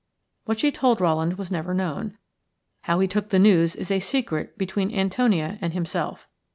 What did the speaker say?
What she told Rowland was never known; how he took the news is a secret between Antonia and himself.